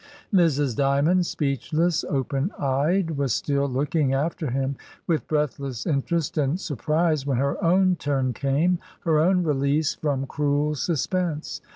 Mrs. Dymond, speechless, open eyed, was still looking after him with breathless interest and sur prise, when her own turn came, her own release from cruel suspense.